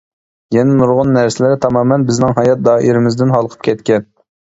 يەنە نۇرغۇن نەرسىلەر تامامەن بىزنىڭ ھايات دائىرىمىزدىن ھالقىپ كەتكەن.